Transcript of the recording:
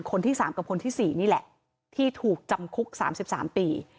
คนที่๓กับคนที่๔นี่แหละที่ถูกจำคุก๓๓ปี